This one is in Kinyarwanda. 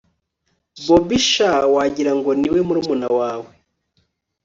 bobi sha wagirango ni mururmuna wawe